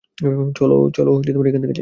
চলো এখান থেকে যাই।